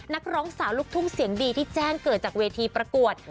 นักร้องสาวลูกทุ่งเสียงดีที่แจ้งเกิดจากเวทีประกวด